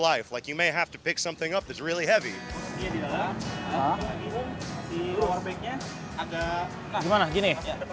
seperti anda mungkin harus menangkap sesuatu yang sangat berat